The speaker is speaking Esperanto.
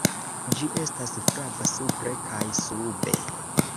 Ĝi estas flava supre kaj sube.